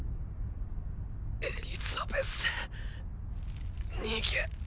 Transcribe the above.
エリザベス逃げ。